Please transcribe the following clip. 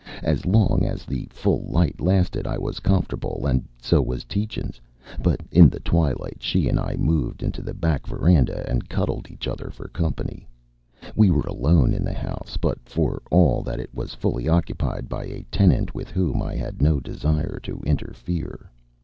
As long as the full light lasted I was comfortable, and so was Tietjens; but in the twilight she and I moved into the back veranda and cuddled each other for company. We were alone in the house, but for all that it was fully occupied by a tenant with whom I had no desire to interfere.